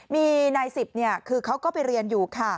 มีนายซิบเนี่ยเขาก็ไปเรียนอยู่ค่ะ